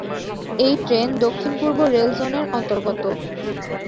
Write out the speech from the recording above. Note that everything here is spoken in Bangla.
এই ট্রেন দক্ষিণ পূর্ব রেল জোনের অন্তর্গত।